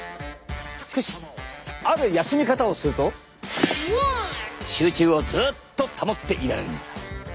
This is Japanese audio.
しかしある休み方をすると集中をずっと保っていられるのだ。